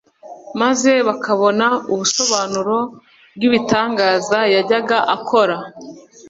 maze bakabona ubusobanuro bw'ibitangaza yajyaga akora.